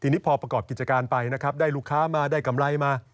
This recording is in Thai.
ทีนี้พอประกอบกิจการไปนะครับได้ลูกค้ามาได้กำไรมา